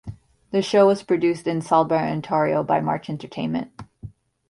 The show was produced in Sudbury, Ontario by March Entertainment.